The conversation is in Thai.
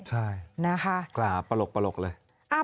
ใช่ขลาปลกเลย